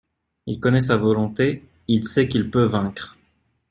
Il connait sa volonté, il sait qu’il peut vaincre.